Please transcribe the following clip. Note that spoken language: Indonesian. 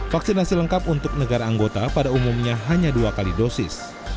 vaksinasi lengkap untuk negara anggota pada umumnya hanya dua kali dosis